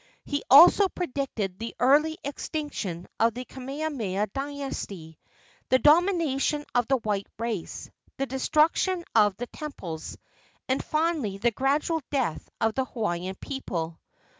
He also predicted the early extinction of the Kamehameha dynasty, the domination of the white race, the destruction of the temples, and finally the gradual death of the Hawaiian people.